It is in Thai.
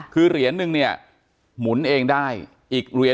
คือเหรียญหนึ่งหมุนเองได้